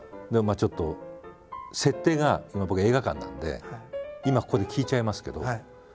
ちょっと設定が今映画館なんで今ここで聞いちゃいますけど。